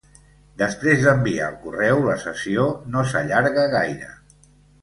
Després d'enviar el correu la sessió no s'allarga gaire.